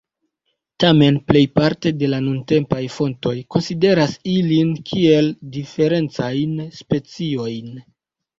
Tamen, plejparte de la nuntempaj fontoj konsideras ilin kiel diferencajn speciojn.